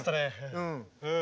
うん。